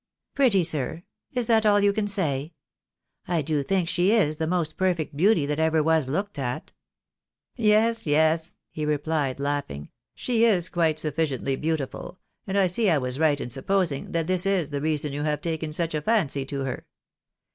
" Pretty, sir ? Is that all you can say ? I do think she is the most perfect beauty that ever was looked at." " Yes, yes," he rephed, laughing, " she is quite sufficiently beautiful, and I see I was right in supposing that this is the reason you have taken such a fancy to her."